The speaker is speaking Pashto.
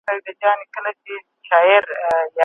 د دغي نکاح مخالفت ئې اظهار کړی.